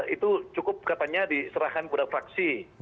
itu cukup katanya diserahkan kepada fraksi